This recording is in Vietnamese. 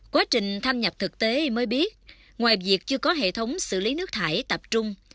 quá trình tham nhập thực tế mới biết ngoài việc chưa có hệ thống xử lý nước thải tập trung